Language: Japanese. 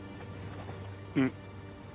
うん。